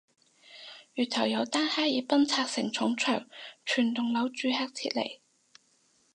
月頭有單哈爾濱拆承重牆全棟樓住客撤離